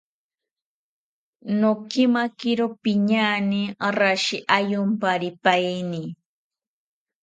Nokemakiro piñaane rashi ayomparipaeni